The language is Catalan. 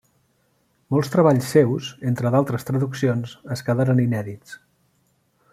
Molts treballs seus, entra d'altres traduccions, es quedaren inèdits.